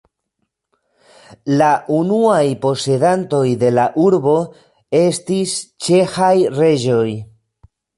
La unuaj posedantoj de la urbo estis ĉeĥaj reĝoj.